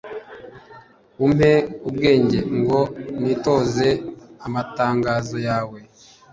umpe ubwenge, ngo nitoze amatangazo yawe